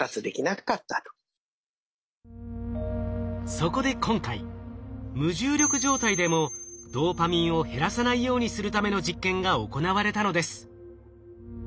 そこで今回無重力状態でもドーパミンを減らさないようにするための実験が行われたのです。